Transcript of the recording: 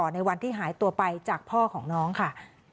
ในวันที่หายตัวไปจากพ่อของน้องค่ะ